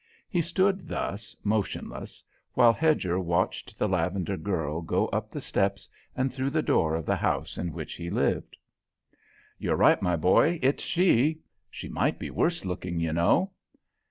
He stood thus, motionless, while Hedger watched the lavender girl go up the steps and through the door of the house in which he lived. "You're right, my boy, it's she! She might be worse looking, you know."